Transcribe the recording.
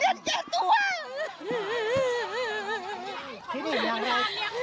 จะได้ลืนหูลืนกำลัง